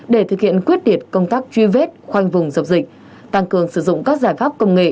để thực hiện quyết liệt công tác truy vết khoanh vùng dập dịch tăng cường sử dụng các giải pháp công nghệ